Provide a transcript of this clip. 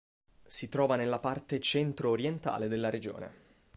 Si trova nella parte centro-orientale della regione.